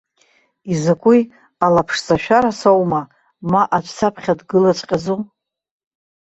Изакәи, алаԥшҵашәара саума, ма аӡә саԥхьа дгылаҵәҟьазу?!